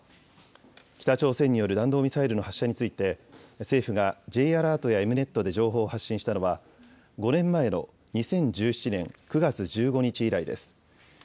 北朝鮮による弾道ミサイルの発射について、政府がＪアラートやＥｍ−Ｎｅｔで情報を発信したのは、５年前の２０１７年９月１５日以来です。